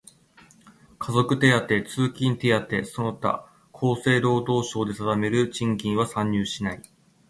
家族手当、通勤手当その他厚生労働省令で定める賃金は算入しない。